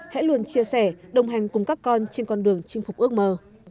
hãy luôn chia sẻ đồng hành cùng các con trên con đường chinh phục ước mơ